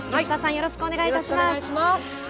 よろしくお願いします。